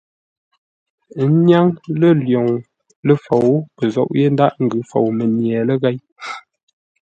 Ńnyáŋ lə̂ lwoŋ ləfou, pə́ zôʼ yé ńdaghʼ ńgʉ́ fou mənye ləghěi.